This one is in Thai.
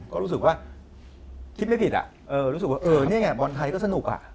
ก็รู้สึกว่าคิดไม่ผิดอ่ะเออรู้สึกว่าเออนี่ไงบอลไทยก็สนุกอ่ะ